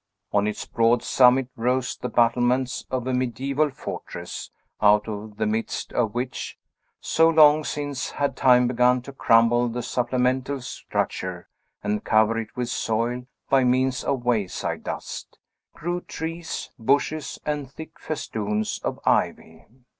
On its broad summit rose the battlements of a mediaeval fortress, out of the midst of which (so long since had time begun to crumble the supplemental structure, and cover it with soil, by means of wayside dust) grew trees, bushes, and thick festoons of ivy.